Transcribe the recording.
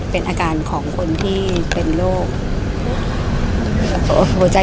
ภาษาสนิทยาลัยสุดท้าย